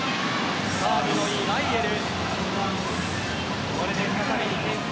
サーブのいいマイエル。